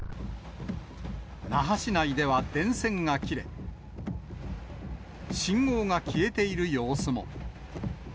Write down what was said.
那覇市内では電線が切れ、信号が消えている様子も。